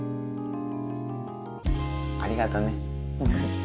ありがとね。